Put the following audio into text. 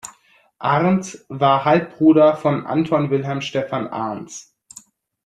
Arndts war Halbbruder von Anton Wilhelm Stephan Arndts.